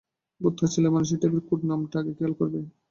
বোধহয় ছেলেমানুষী টাইপের কোড নামটা আগে খেয়াল করবে।